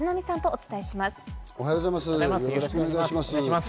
おはようございます。